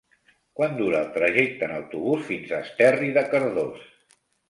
Quant dura el trajecte en autobús fins a Esterri de Cardós?